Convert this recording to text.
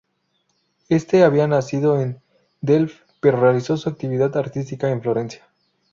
Este había nacido en Delft pero realizó su actividad artística en Florencia.